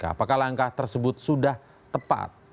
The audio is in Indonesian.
apakah langkah tersebut sudah tepat